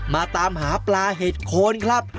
มาตามหาปลาเห็ดโคนครับ